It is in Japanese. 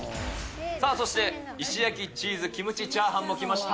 さあそして、石焼チーズキムチチャーハンも来ました。